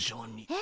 え？